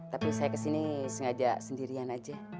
tapi saya kesini sengaja sendirian aja